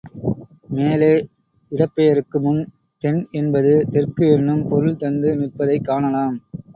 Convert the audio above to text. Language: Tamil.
மேலே, இடப்பெயருக்கு முன் தென் என்பது தெற்கு என்னும் பொருள் தந்து நிற்பதைக் காணலாம்.